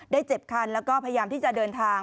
เจ็บคันแล้วก็พยายามที่จะเดินทาง